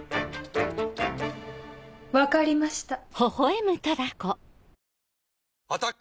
分かりました。